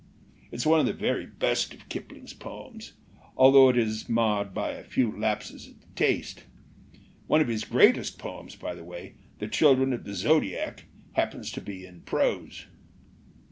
It's one of the very best of Kip ling's poems, although it is marred by a few lapses of taste. One of his greatest poems, by the way, The Children of the Zodiac, happens to be in prose.